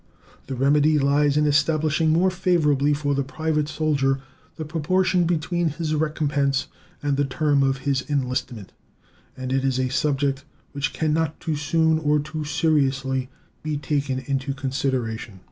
The remedy lies in establishing more favorably for the private soldier the proportion between his recompense and the term of his enlistment, and it is a subject which can not too soon or too seriously be taken into consideration.